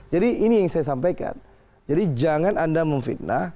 jadi ini yang saya sampaikan jangan anda memfitnah